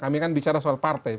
kami kan bicara soal partai